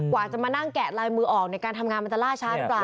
กว่าจะมานั่งแกะลายมือออกในการทำงานมันจะล่าช้าหรือเปล่า